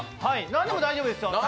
何でも大丈夫ですよ。